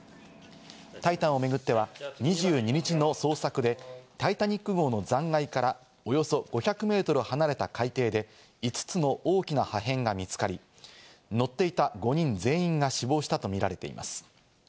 タイタンを巡っては２２日の捜索で、タイタニック号の残骸からおよそ５００メートル離れた海底で５つの大きな破片が見つかり、乗っていた５人全員が死亡したと見られています。